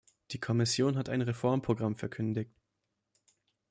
Die Kommission hat ein Reformprogramm verkündigt.